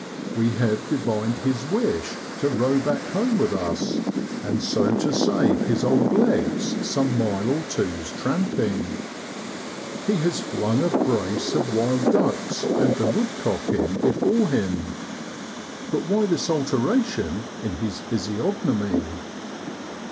We have divined his wish to row back home with us, and so to save his old legs some mile or two's tramping. He has flung a brace of wild ducks and a woodcock in before him. But why this alteration in his physiognomy